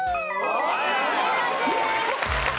正解です。